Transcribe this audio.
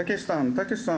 たけしさん